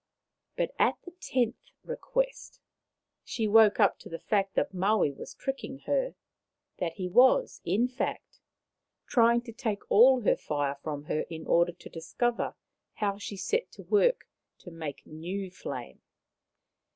But at the tenth request she woke up to the fact that Maui was tricking her, that he was, in fact, trying to take all her fire from her in order to discover how she set to work to make new flame.